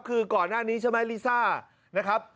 คือก่อนหน้านี้ใช่ไหมลิซ่านะครับ